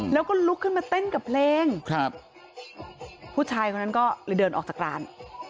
แล้วก็ลุกขึ้นมาเต้นกับเพลงครับผู้ชายคนนั้นก็เลยเดินออกจากร้าน